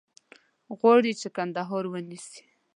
غواړي چې کندهار ونیسي.